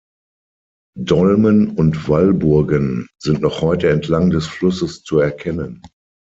Dolmen und Wallburgen sind noch heute entlang des Flusses zu erkennen.